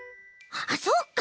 あっそっか！